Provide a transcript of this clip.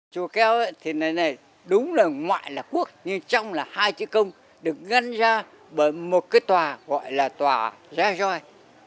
chùa keo thì này này đúng là ngoại là quốc nhưng trong là hai chữ công được ngăn ra bởi một cái tòa gọi là tòa gia roi